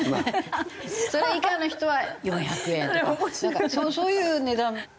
それ以下の人は４００円とかそういう値段。